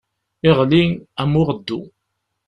Iɣli, am uɣeddu.